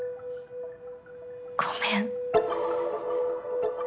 ごめん。